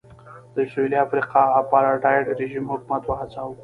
د سوېلي افریقا اپارټایډ رژیم حکومت وهڅاوه.